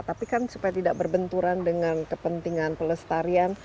tapi kan supaya tidak berbenturan dengan kepentingan pelestarian